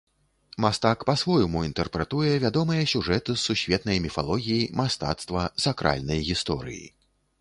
Мастак па-свойму інтэрпрэтуе вядомыя сюжэты з сусветнай міфалогіі, мастацтва, сакральнай гісторыі.